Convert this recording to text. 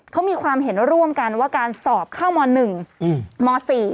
เขามีความเห็นร่วมกันว่าการสอบเข้าม๑ม๔